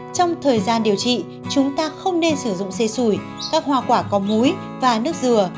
trong thời gian điều trị chúng ta không nên sử dụng xe sủi các hoa quả có múi và nước dừa